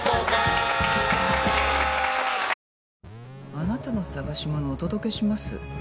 あなたの探し物お届けします？